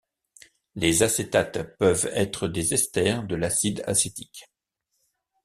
Les acétates peuvent être des esters de l'acide acétique.